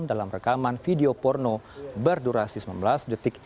dalam rekaman video porno berdurasi sembilan belas detik